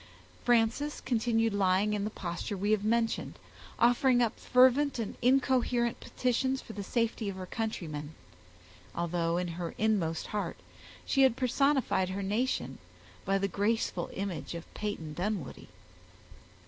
Frances continued lying in the posture we have mentioned, offering up fervent and incoherent petitions for the safety of her countrymen, although in her inmost heart she had personified her nation by the graceful image of Peyton Dunwoodie.